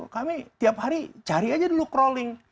kami tiap hari cari aja dulu crawling